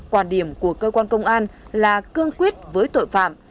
quan điểm của cơ quan công an là cương quyết với tội phạm